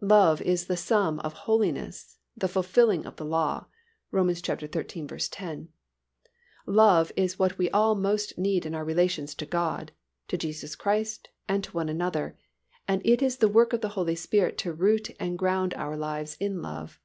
Love is the sum of holiness, the fulfilling of the law (Rom. xiii. 10); love is what we all most need in our relations to God, to Jesus Christ and to one another; and it is the work of the Holy Spirit to root and ground our lives in love.